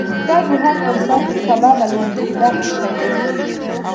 دا دوهم فرصت سبا بلل کېږي دا ښه شی دی.